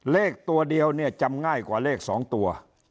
เลขตัวเดียวเนี่ยจำง่ายกว่าเลข๒ตัว